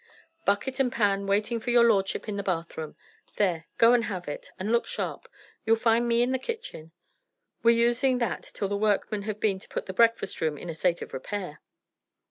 "Bucket and pan waiting for your lordship in the bathroom. There, go and have it; and look sharp. You'll find me in the kitchen. We're using that till the workmen have been to put the breakfast room in a state of repair."